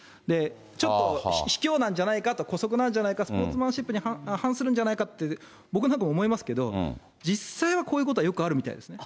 ちょっと、卑怯なんじゃないかと、こそくなんじゃないか、スポーツマンシップに反するんじゃないかって、僕なんかも思いますけど、実際は、こういうことはよくあるみたいですね。